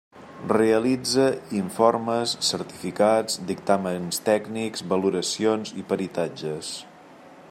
Realitza informes, certificats, dictàmens tècnics, valoracions i peritatges.